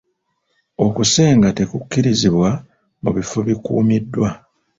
Okusenga te kukirizibwa mu bifo bikuumiddwa.